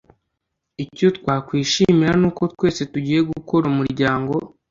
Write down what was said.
icyo twakwishimira ni uko twese tugiye gukora umuryango